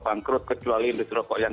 bangkrut kecuali industri rokok yang